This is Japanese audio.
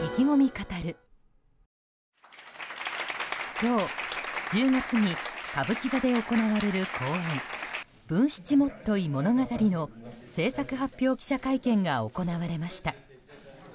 今日、１０月に歌舞伎座で行われる公演「文七元結物語」の製作発表記者会見が行われました。